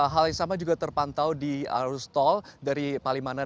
hal yang sama juga terpantau di arus tol dari palimanan